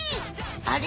あれ？